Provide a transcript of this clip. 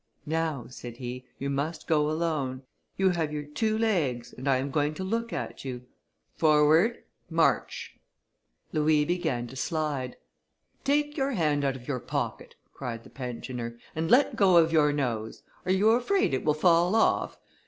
"Now," said he, "you must go alone. You have your two legs, and I am going to look at you. Forward, march!" Louis began to slide. "Take your hand out of your pocket," cried the pensioner, "and let go of your nose; are you afraid it will fall off?